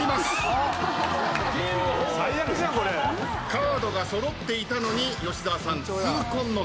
カードが揃っていたのに吉沢さん。